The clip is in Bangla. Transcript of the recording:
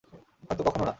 হয়তো কখনো না।